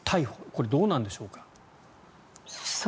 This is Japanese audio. これ、どうなんでしょうか。